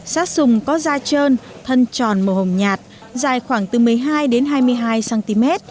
sát sùng có da trơn thân tròn màu hồng nhạt dài khoảng từ một mươi hai đến hai mươi hai cm